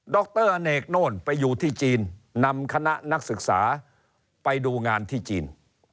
รอเนกโน่นไปอยู่ที่จีนนำคณะนักศึกษาไปดูงานที่จีน